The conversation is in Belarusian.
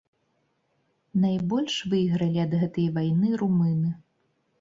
Найбольш выйгралі ад гэтай вайны румыны.